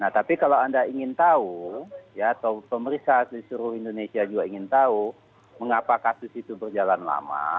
nah tapi kalau anda ingin tahu ya atau pemerintah di seluruh indonesia juga ingin tahu mengapa kasus itu berjalan lama